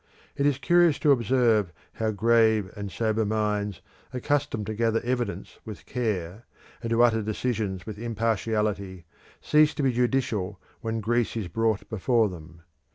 It is curious to observe how grave and sober minds accustomed to gather evidence with care, and to utter decisions with impartiality, cease to be judicial when Greece is brought before them.